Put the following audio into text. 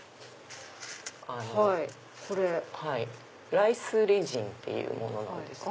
ライスレジンというものなんです。